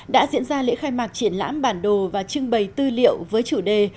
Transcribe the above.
đã diễn ra lễ khai mạc triển lãm bản đồ và trưng bày tư liệu với chủ đề